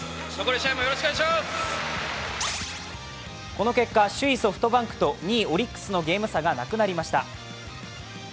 この結果、首位・ソフトバンクと２位・オリックスのゲーム差がなくなりました。